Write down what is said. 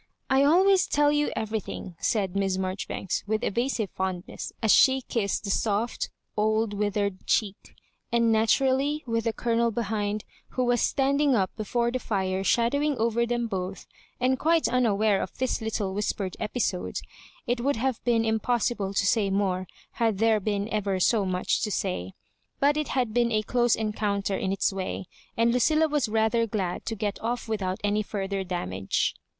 " I always tell you everything," said Miss Marjoribanks with evasive fondness, as she kissed the soft old withered cheek ; and naturally, with the Colonel behind. Digitized by VjOOQIC BOSS MARJOItlBAI^Ea 135 who was standiiig up before the fire shadowiDg over them both, and quite unaware of this little whispered episode, it would have been impossible to say more had there been ever so much to say. But it had. been a dose encounter in its way, and Lucilla was rather glad to get off without any further damage.